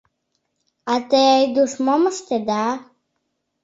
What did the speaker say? А те, Айдуш, мом ыштеда?